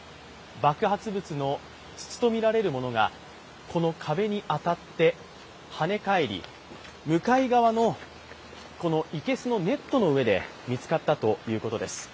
爆発物の筒とみられるものがこの壁に当たってはね返り、向かい側のいけすのネットの上で見つかったということです。